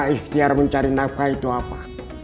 ikhtiar mencari nafkah itu apa